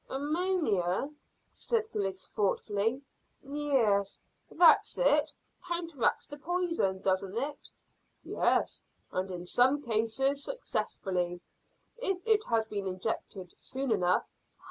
"Ammonia," said Griggs thoughtfully. "Yes, that's it counteracts the poison, doesn't it?" "Yes, and in some cases successfully, if it has been injected soon enough."